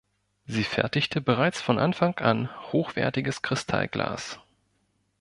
Sie fertigte bereits von Anfang an hochwertiges Kristallglas.